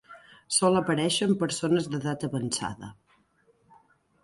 Sol aparèixer en persones d'edat avançada.